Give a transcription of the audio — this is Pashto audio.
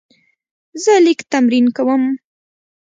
زه لیک تمرین کوم.